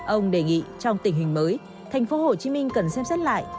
ông đề nghị trong tình hình mới tp hcm cần xem xét lại